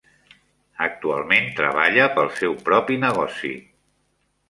Actualment treballa pel seu propi negoci.